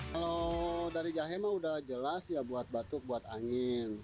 kalau dari jahe mah udah jelas ya buat batuk buat angin